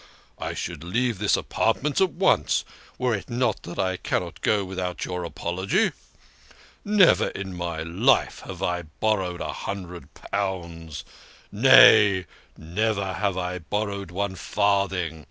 I should leave this apartment at once, were it not that I cannot go without your apology. Never in my life have I borrowed a hundred pounds nay, never have I borrowed one farthing.